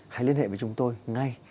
hãy liên hệ với chúng tôi ngay